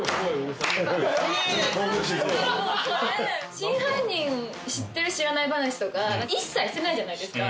真犯人知ってる知らない話とか一切してないじゃないですか。